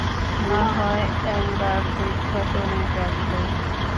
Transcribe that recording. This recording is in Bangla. না হয় একবার পরীক্ষা করে দেখো।